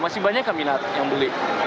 masih banyak kan minat yang beli